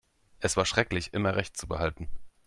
Es war schrecklich, immer Recht zu behalten.